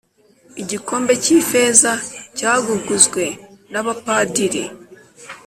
igikombe cy ifeza cya guguzwe na bapadiri